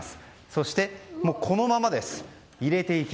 そして、このままです。